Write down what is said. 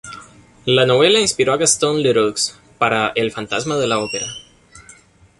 La novela inspiró a Gastón Leroux para "El fantasma de la ópera".